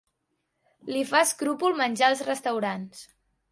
Li fa escrúpol menjar als restaurants.